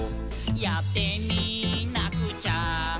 「やってみなくちゃ」